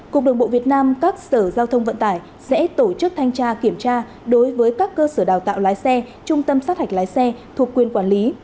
cục đường bộ việt nam các sở giao thông vận tải sẽ tổ chức thanh tra kiểm tra đối với các cơ sở đào tạo lái xe trung tâm sát hạch lái xe thuộc quyền quản lý